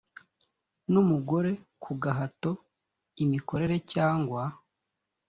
n umugore ku gahato imikorere cyangwa